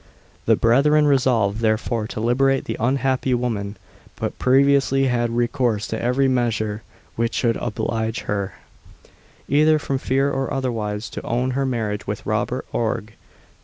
The brethren resolved, therefore, to liberate the unhappy woman, but previously had recourse to every measure which should oblige her, either from fear or otherwise, to own her marriage with Robin Oig.